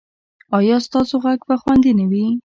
ایا ستاسو عزت به خوندي نه وي؟